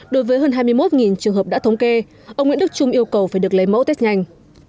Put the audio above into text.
đối với hơn hai mươi một trường hợp đã thống kê ông nguyễn đức trung yêu cầu phải được lấy mẫu test nhanh